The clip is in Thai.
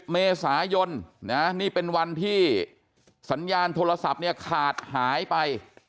เมษายนนี่เป็นวันที่สัญญาณโทรศัพท์เนี่ยขาดหายไป